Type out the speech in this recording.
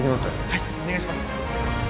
はいお願いします